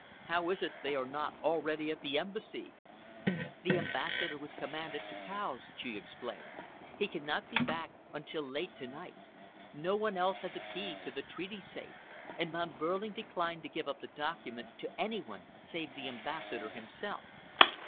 How is it they are not already at the Embassy?" "The Ambassador was commanded to Cowes," she explained. "He cannot be back until late to night. No one else has a key to the treaty safe, and Von Behrling declined to give up the document to any one save the Ambassador himself."